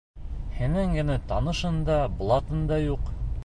Һинең генә танышың да, блатың да юҡ.